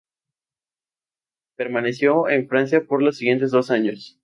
Permaneció en Francia por los siguientes dos años.